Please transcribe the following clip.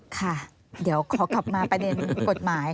ค่ะเดี๋ยวขอกลับมาประเด็นกฎหมาย